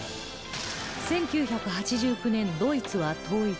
１９８９年ドイツは統一